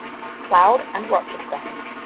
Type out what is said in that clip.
Cloud and Rochester.